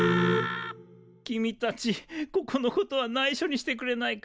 君たちここのことはないしょにしてくれないか？